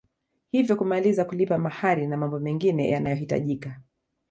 Hivyo kumaliza kulipa mahari na mambo mengine yanayohitajika